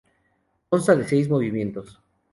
Consta de seis movimientos.